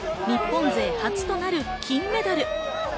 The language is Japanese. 日本勢初となる金メダル。